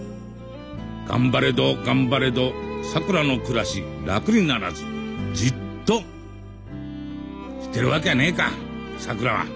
頑張れど頑張れどさくらの暮らし楽にならずじっとしてるわけはないかさくらは。